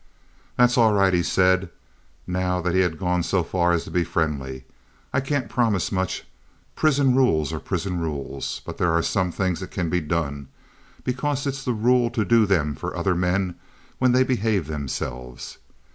"That's all right," he said, now that he had gone so far as to be friendly. "I can't promise much. Prison rules are prison rules. But there are some things that can be done, because it's the rule to do them for other men when they behave themselves.